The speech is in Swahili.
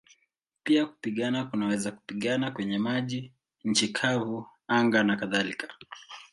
Pia kupigana kunaweza kupigana kwenye maji, nchi kavu, anga nakadhalika.